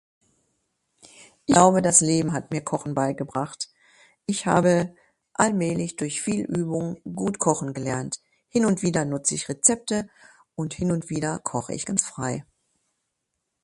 Glaube das Leben hat mir kochen beigebracht, Ich habe allmählich durch viel Übung gut kochen gelernt. Hin und wieder nutze ich Rezepte und hin und wieder koche ich ganz frei.